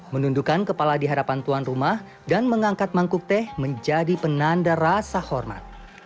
menundukan kepala di hadapan tuan rumah dan mengangkat mangkuk teh menjadi penanda rasa hormat